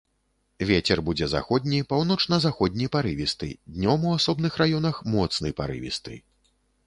Вецер будзе заходні, паўночна-заходні парывісты, днём у асобных раёнах моцны парывісты.